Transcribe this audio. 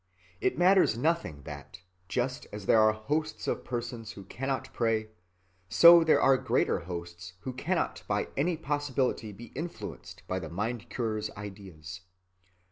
(45) It matters nothing that, just as there are hosts of persons who cannot pray, so there are greater hosts who cannot by any possibility be influenced by the mind‐curers' ideas.